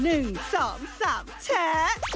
เอ้า๑๒๓แชร์